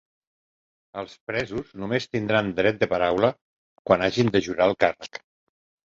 Els presos només tindran dret de paraula quan hagin de jurar el càrrec.